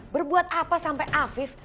berbuat apa sampai afif